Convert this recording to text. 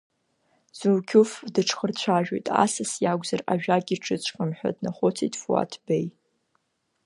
Зулқьуф дыҽхырцәажәоит, асас иакәзар, ажәак иҿыҵҟьом ҳәа днахәыцит Фуаҭ Беи.